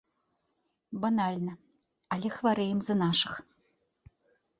Банальна, але хварэем за нашых.